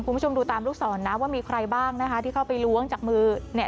คุณผู้ชมดูตามลูกศรนะว่ามีใครบ้างนะคะที่เข้าไปล้วงจากมือเนี่ย